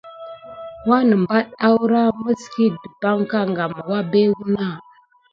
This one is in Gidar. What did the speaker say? Wanəmbat awrah miyzkit dupanka kam wabé wuna.